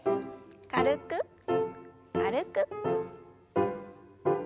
軽く軽く。